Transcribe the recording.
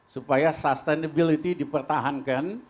supaya sustainability dipertahankan